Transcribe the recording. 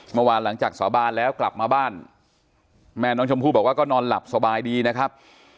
เมื่อวานหลังจากสาบานแล้วกลับมาบ้านแม่น้องชมพู่บอกว่าก็นอนหลับสบายดีนะครับ